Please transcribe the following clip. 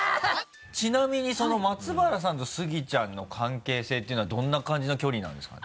ちなみに松原さんとスギちゃんの関係性っていうのはどんな感じの距離なんですかね？